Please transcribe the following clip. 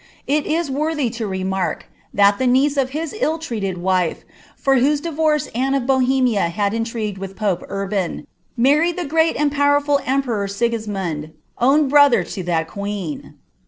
It is worthy of remark, that the niece* of his ill treaied wife, for whose divorce Anne of Bohemia had intri^ed with pope Urban, married llie great and (towerful emperor Sigivniund, own Mother to that queen.